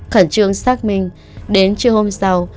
khẩn trương xác minh đến chiều hôm sau